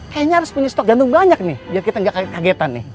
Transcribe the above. kayaknya harus punya stok gantung banyak nih biar kita nggak kagetan nih